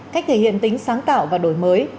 cách thể hiện tính sáng tạo và đổi mới